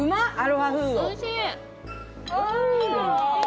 おいしい。